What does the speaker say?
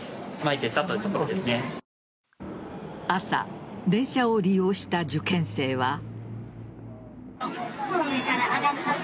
朝、電車を利用した受験生は。